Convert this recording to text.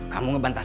kamu ngebantas aja